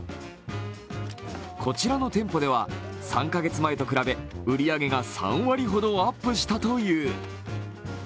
こちらの店舗では３カ月前と比べ売り上げが３割ほどアップしたという。